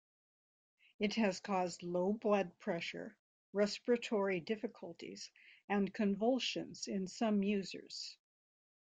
It has caused low blood pressure, respiratory difficulties, and convulsions in some users.